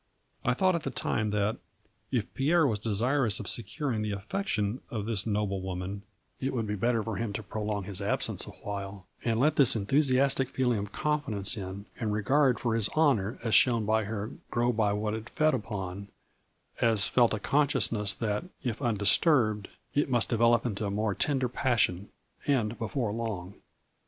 I thought at the time that, if Pierre was desirous of securing the affection of this noble woman, it would be better for him to prolong his absence a while, and let this enthu siastic feeling of confidence in, and regard for his honor as shown by her ' grow by what it fed upon,' as felt a consciousness that, if undis turbed, it must develop into a more tender passion, and before long.